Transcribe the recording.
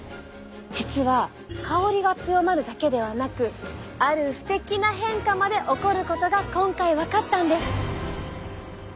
実は香りが強まるだけではなくあるステキな変化まで起こることが今回分かったんです。